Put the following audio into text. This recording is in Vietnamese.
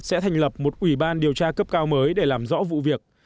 sẽ thành lập một ủy ban điều tra cấp cao mới để làm rõ vụ việc